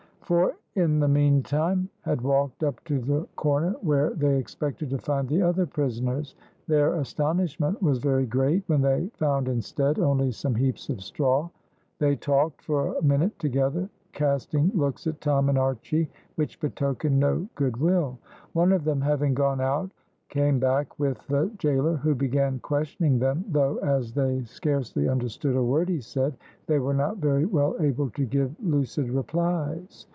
Four, in the meantime, had walked up to the corner where they expected to find the other prisoners; their astonishment was very great when they found instead only some heaps of straw. They talked for a minute together, casting looks at Tom and Archy which betokened no good will. One of them having gone out came back with the gaoler, who began questioning them, though, as they scarcely understood a word he said, they were not very well able to give lucid replies.